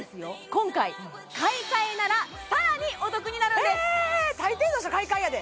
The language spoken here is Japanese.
今回買い替えならさらにお得になるんですたいていの人買い替えやで！